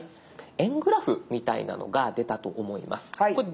円グラフみたいなのが出たと思います。